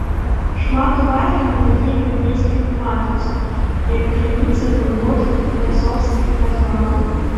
Шмат увагі надае біблейскай тэматыцы, як крыніцы глыбокіх філасофскіх разваг.